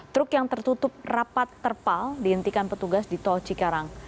truk yang tertutup rapat terpal dihentikan petugas di tol cikarang